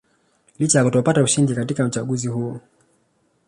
Licha ya kutopata ushindi katika uchaguzi huo